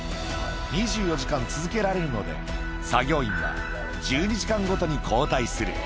２４時間続けられるので、作業員は１２時間ごとに交代する。